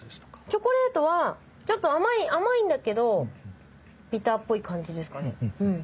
チョコレートはちょっと甘いんだけどビターっぽい感じですかね。